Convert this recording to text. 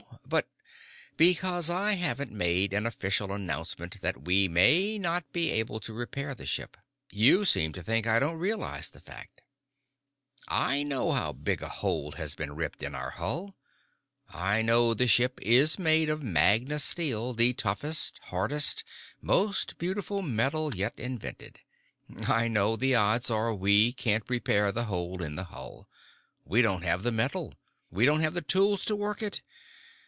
But " "Because I haven't made an official announcement that we may not be able to repair the ship, you seem to think I don't realize the fact. I know how big a hole has been ripped in our hull. I know the ship is made of magna steel, the toughest, hardest, most beautiful metal yet invented. I know the odds are we can't repair the hole in the hull. We don't have the metal. We don't have the tools to work it.